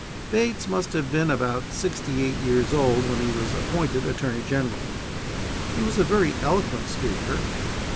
Bates must have been about sixty eight years old when he was appointed Attorney General. He was a very eloquent speaker.